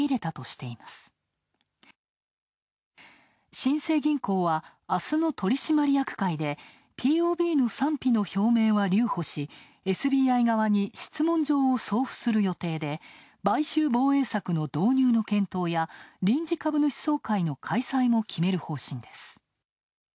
新生銀行は、あすの取締役会でＴＯＢの賛否の表明は留保しＳＢＩ側に質問状を送付する予定で買収防衛策の導入の検討や臨時株主総会の開催も決める方針です。